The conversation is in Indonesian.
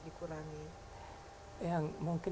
dikurangi yang mungkin